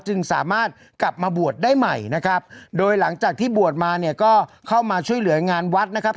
จึงสามารถกลับมาบวชได้ใหม่นะครับโดยหลังจากที่บวชมาเนี่ยก็เข้ามาช่วยเหลืองานวัดนะครับ